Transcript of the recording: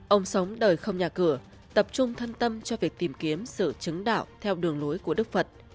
ông sống đời không nhà cửa tập trung thân tâm cho việc tìm kiếm sự chứng đạo theo đường lối của đức phật